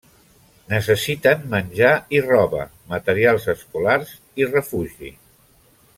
Necessiten menjar i roba, materials escolars i refugi.